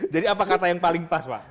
jadi apa kata yang paling pas pak